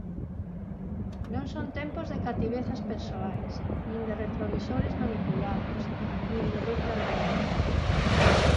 Non son tempos de cativezas persoais, nin de retrovisores manipulados, nin de letra miúda.